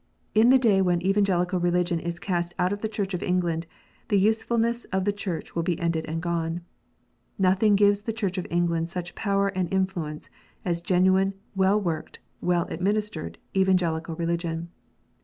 In the day when Evangelical Religion is cast out of the Church of England, the usefulness of the Church will be ended and gone. Nothing gives the Church of England such power and influence as genuine, well worked, well administered Evangelical Religion.